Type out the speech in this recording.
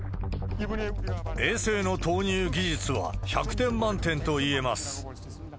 衛星の投入技術は１００点満点と言えます。